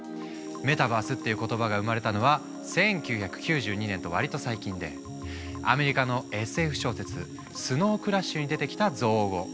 メタバースっていう言葉が生まれたのは１９９２年と割と最近でアメリカのＳＦ小説「スノウ・クラッシュ」に出てきた造語。